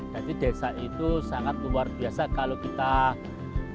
jadi desa itu sangat luar biasa kalau kita kelola dengan desa